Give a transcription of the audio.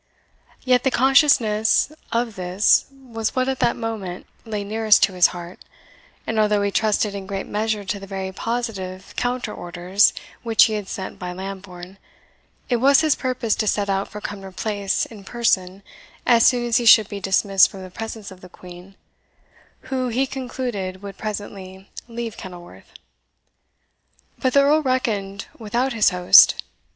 Yet the consciousness of this was what at that moment lay nearest to his heart; and although he trusted in great measure to the very positive counter orders which he had sent by Lambourne, it was his purpose to set out for Cumnor Place in person as soon as he should be dismissed from the presence of the Queen, who, he concluded, would presently leave Kenilworth. But the Earl reckoned without his host.